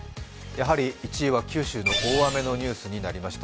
やはり１位は九州の大雨のニュースになりました。